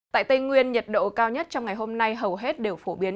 tại tây nguyên nhiệt độ cao nhất trong ngày hôm nay hầu hết đều phổ biến